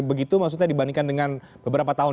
begitu maksudnya dibandingkan dengan beberapa tahun